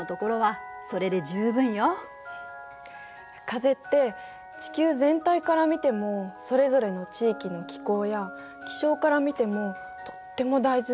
風って地球全体から見てもそれぞれの地域の気候や気象から見てもとっても大事なものだったのね。